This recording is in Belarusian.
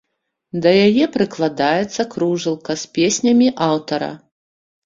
Да яе прыкладаецца кружэлка з песнямі аўтара.